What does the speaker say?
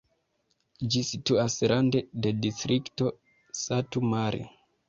Ĝi situas rande de distrikto Satu Mare.